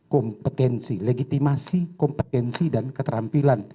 kompetensi legitimasi kompetensi dan keterampilan